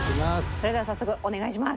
それでは早速お願いします。